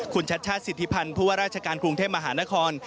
คุณชชศิษธิพรรณครัวราชการครุงเทพมหานคร